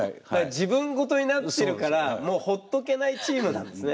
自分ごとになってるからもうほっとけないチームなんですね。